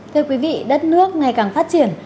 thưa quý vị đất nước ngày càng phát triển